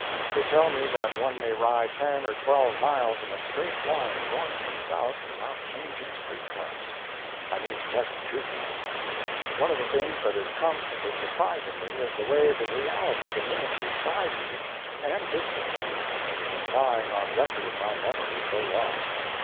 They tell me that one may ride ten or twelve miles in a straight line north and south without changing street cars—I mean to test the truth of it. One of the things that is constantly surprising me is the way the reality diminishes sizes and distances that have been lying on record in my memory so long.